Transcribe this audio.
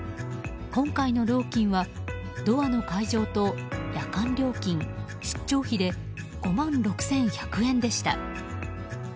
今回の料金はドアの開錠と夜間料金、出張費で５万６１００円でした。